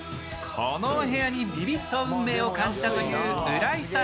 このお部屋にビビッと運命を感じたという浦井さん。